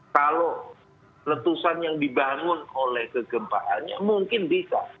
kalau letusan yang dibangun oleh kegempaannya mungkin bisa